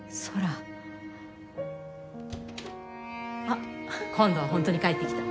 あっ今度は本当に帰ってきた。